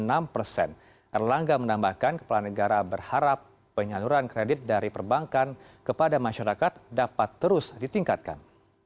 erlangga menambahkan kepala negara berharap penyaluran kredit dari perbankan kepada masyarakat dapat terus ditingkatkan